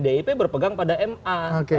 pdip berpegang pada ma